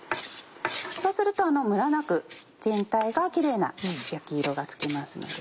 そうするとムラなく全体がきれいな焼き色がつきますので。